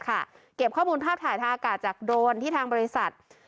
เก็บข้อมูลภาพถ่ายทางอากาศจากโดรนที่ทางบริษัท